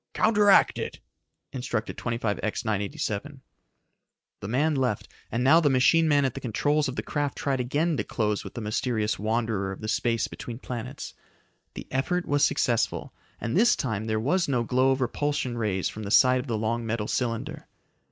"Counteract it," instructed 25X 987. The man left, and now the machine man at the controls of the craft tried again to close with the mysterious wanderer of the space between planets. The effort was successful, and this time there was no glow of repulsion rays from the side of the long metal cylinder.